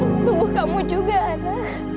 tubuh kamu juga ana